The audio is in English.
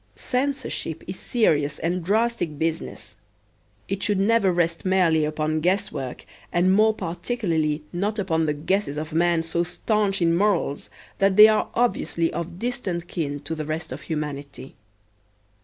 Censorship is serious and drastic business; it should never rest merely upon guesswork and more particularly not upon the guesses of men so staunch in morals that they are obviously of distant kin to the rest of humanity.